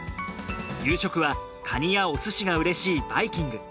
夕食はカニやお寿司がうれしいバイキング。